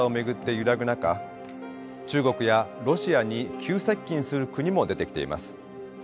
中国やロシアに急接近する国も出てきています。